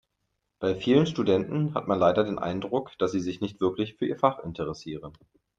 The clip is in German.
Bei vielen Studenten hat man leider den Eindruck, dass sie sich nicht wirklich für ihr Fach interessieren.